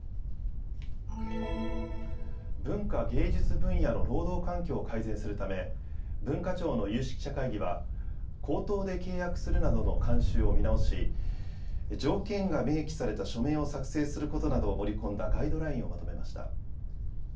文化芸術分野の労働環境を改善するため文化庁の有識者会議は口頭で契約するなどの慣習を見直し条件が明記された書面を作成することなどを盛り込んだガイドラインをまとめました。